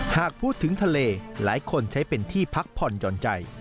หากพูดถึงทะเลหลายคนใช้เป็นที่พักผ่อนหย่อนใจ